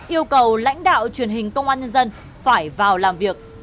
yêu cầu lãnh đạo truyền hình công an nhân dân phải vào làm việc